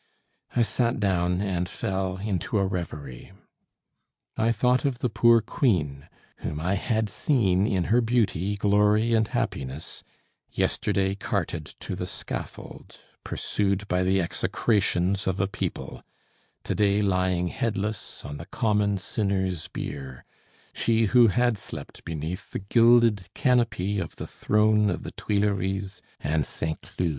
I sat down and fell into a reverie. I thought of the poor queen, whom I had seen in her beauty, glory, and happiness, yesterday carted to the scaffold, pursued by the execrations of a people, to day lying headless on the common sinners' bier she who had slept beneath the gilded canopy of the throne of the Tuileries and St. Cloud.